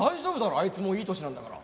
あいつもういい年なんだから。